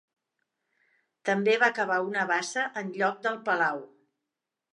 També va cavar una bassa en lloc del palau.